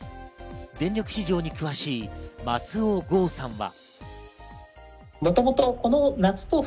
電力市場に詳しい松尾豪さんは。